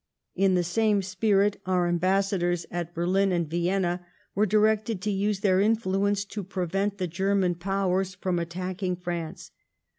In the same spirit our ambassadors at Berlin and Vienna were directed to use their influence to prevent the Ger man Powers from attacking France.